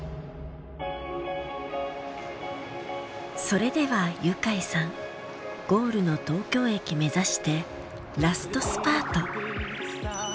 それではユカイさんゴールの東京駅目指してラストスパート！